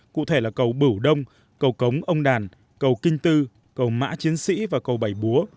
cụ thể là cầu bửu đông cầu cống ông đàn cầu kinh tư cầu mã chiến sĩ và cầu bảy búa